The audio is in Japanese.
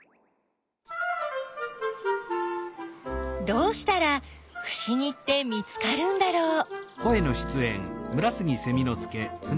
どうしたらふしぎって見つかるんだろう？